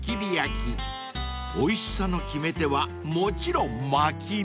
［おいしさの決め手はもちろんまき火］